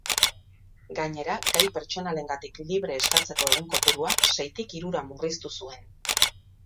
Gainera, gai pertsonalengatik libre eskatzeko egun kopurua seitik hirura murriztu zuen.